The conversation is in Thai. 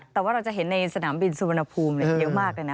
แต่ว่าเราจะเห็นในสนามบินสุวรรณภูมิเยอะมากเลยนะ